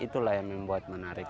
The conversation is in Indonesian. itulah yang membuat menarik